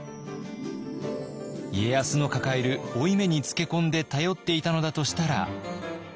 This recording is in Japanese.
家康の抱える負い目につけ込んで頼っていたのだとしたら。